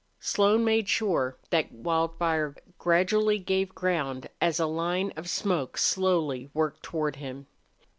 Slone made sure that Wildfire gradually gave ground as the line of smoke slowly worked toward him.